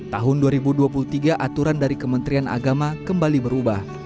tahun dua ribu dua puluh tiga aturan dari kementerian agama kembali berubah